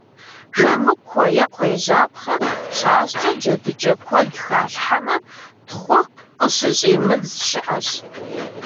Жэмыкуэ е кхъуейжьапхъэ щащӏкӏэ джэдыкӏэ куэд халъхьэмэ, тхъу къыщыщӏимыдз щыӏэщ.